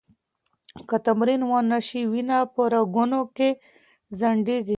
که تمرین ونه شي، وینه په رګونو کې ځنډېږي.